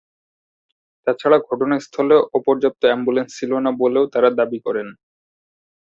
তাছাড়া ঘটনা স্থলে অপর্যাপ্ত অ্যাম্বুলেন্স ছিল না বলেও তারা দাবি করেন।